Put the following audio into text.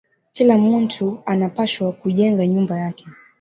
Kila muntu ana pashwa ku jenga nyumba yake